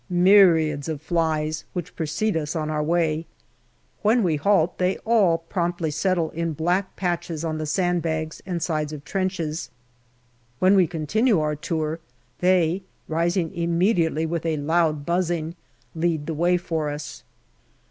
Myriads of flies, which precede us on our way ; when we halt, they all promptly settle in black patches on the sand bags and sides of trenches. When we continue our tour, they, rising immediately with a loud buzzing, lead the way for us.